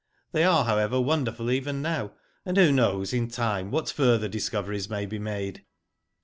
"They are, however, wonderful even now, and who knows in time what further discoveries may be made."